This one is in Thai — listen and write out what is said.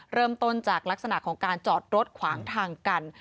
เริ่มต้นจากลักษณะของการจอดรถขวางทางกัน